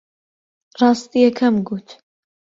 ڕاستییەکەم گوت.